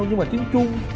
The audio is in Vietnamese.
nhưng mà tiếng chuông